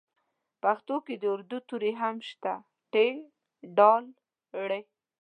په پښتو کې د اردو توري هم شته ټ ډ ړ